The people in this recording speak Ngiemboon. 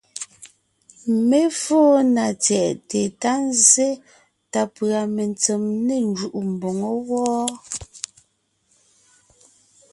Mé fóo na tsyɛ̀ʼte ta zsé ta pʉ̀a metsem ne njúʼu mboŋó wɔ́,